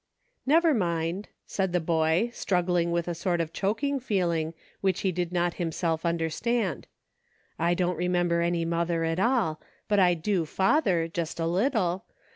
" Never mind," said the boy, struggling with a sort of choking feeling, which he did not himself understand. "I don't remember any mother at all, but I do father, just a little.